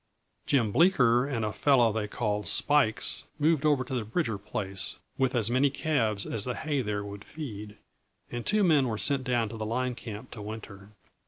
Jim Bleeker and a fellow they called Spikes moved over to the Bridger place with as many calves as the hay there would feed, and two men were sent down to the line camp to winter.